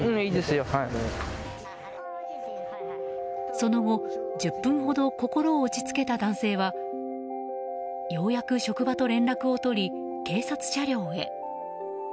その後１０分ほど心を落ち着けた男性はようやく職場と連絡を取り警察車両へ。